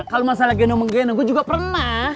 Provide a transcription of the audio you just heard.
kalo masalah geno menggeno gua juga pernah